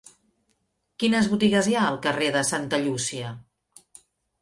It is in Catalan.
Quines botigues hi ha al carrer de Santa Llúcia?